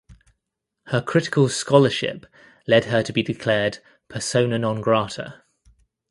Her critical scholarship led her to be declared "persona non grata".